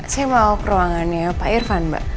saya mau ke ruangannya pak irfan mbak